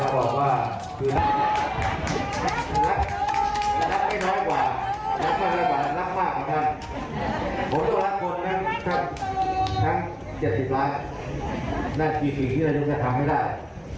รักนั่นคือสิ่งที่เราจะทำให้ได้